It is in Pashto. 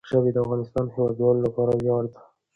ژبې د افغانستان د هیوادوالو لپاره ویاړ دی.